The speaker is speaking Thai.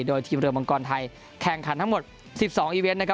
โดยทีมเรือมังกรไทยแข่งขันทั้งหมด๑๒อีเวนต์นะครับ